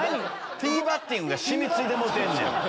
ティーバッティングが染み付いてもうてんねん。